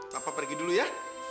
papa pergi dulu ya